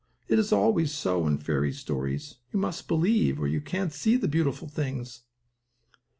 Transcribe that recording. It is always so, in fairy stories. You must believe, or you can't see the beautiful things."